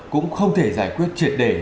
cũng không thể giải quyết triệt đề